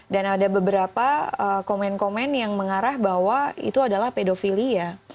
dan ada beberapa komen komen yang mengarah bahwa itu adalah pedofilia